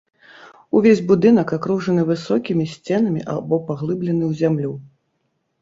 Увесь будынак акружаны высокімі сценамі або паглыблены ў зямлю.